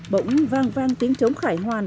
bỗng vang vang tiếng chống khải hoàn